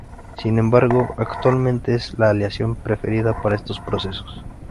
Sin embargo, actualmente es la aleación preferida para estos procesos.